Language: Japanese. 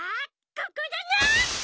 ここだな！